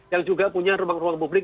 yang juga punya ruang ruang publik